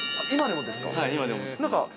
今でもですか？